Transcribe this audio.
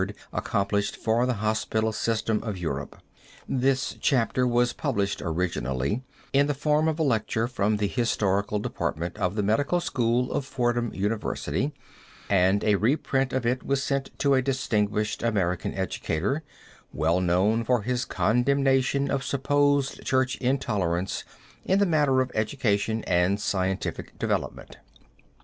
accomplished for the hospital system of Europe. This chapter was published originally in the form of a lecture from the historical department of the Medical School of Fordham University and a reprint of it was sent to a distinguished American educator well known for his condemnation of supposed church intolerance in the matter of education and scientific development.